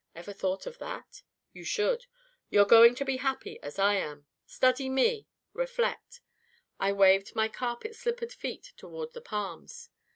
Ever thought of that? You should. You're going to be as happy as I am. Study me. Reflect.' I waved my carpet slippered feet toward the palms.